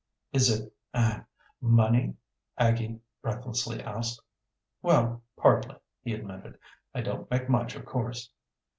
"Is it er money?" Aggie breathlessly asked. "Well partly," he admitted. "I don't make much, of course."